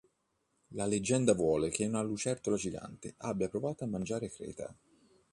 La leggenda vuole che una lucertola gigante abbia provato a mangiare Creta.